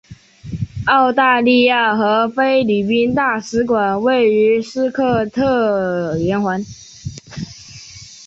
澳大利亚和菲律宾大使馆位于斯科特圆环。